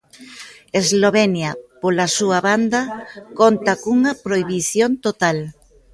Eslovenia, pola súa banda, conta cunha prohibición total.